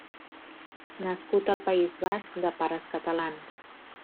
Nascut al País Basc de pares catalans.